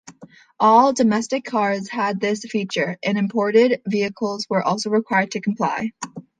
All 'domestic' cars had this feature, and imported vehicles were also required to comply.